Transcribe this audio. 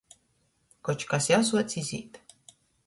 Koč kas jau suoc izīt.